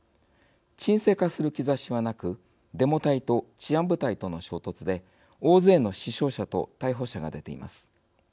沈静化する兆しはなくデモ隊と治安部隊との衝突で大勢の死傷者と逮捕者が出ています。